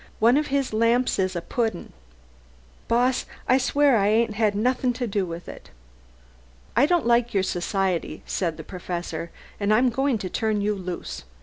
One of his lamps is a pudding! Boss, I'll swear I ain't had nothin' to do with it." "I don't like your society," said the Professor, "and I'm going to turn you loose.